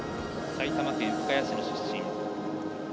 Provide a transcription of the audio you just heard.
埼玉県深谷市出身。